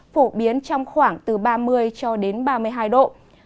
phổ biến trong khoảng từ ba mươi cho đến ba mươi hai độ